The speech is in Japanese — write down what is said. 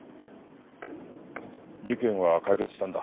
事件は解決したんだ。